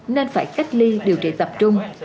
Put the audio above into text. nên phải cách ly điều trị tập trung